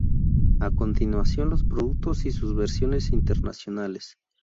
A continuación, los productos y sus versiones internacionales.